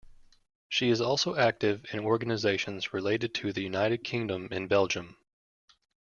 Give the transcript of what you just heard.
She is also active in organisations related to the United Kingdom in Belgium.